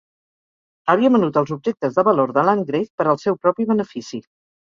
Havia venut els objectes de valor de Landgrave per al seu propi benefici.